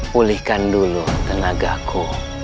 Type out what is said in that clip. pulihkan dulu tenagaku